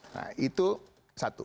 nah itu satu